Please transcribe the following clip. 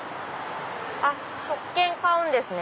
食券買うんですね。